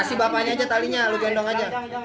kasih bapaknya aja talinya lu gendong aja